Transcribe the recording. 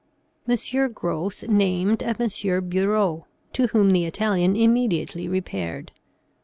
M. Gros named a M. Bureau, to whom the Italian immediately repaired.